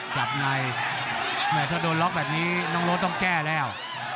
จับในแม่ถ้าโดนล็อกแบบนี้น้องรถต้องแก้แล้ว